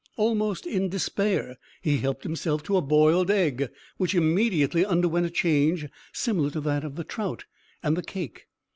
Almost in despair, he helped himself to a boiled egg, which immediately underwent a change similar to those of the trout and the cake.